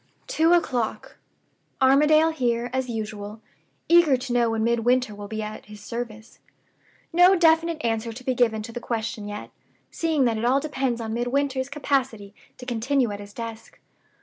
"Two o'clock. Armadale here as usual; eager to know when Midwinter will be at his service. No definite answer to be given to the question yet, seeing that it all depends on Midwinter's capacity to continue at his desk.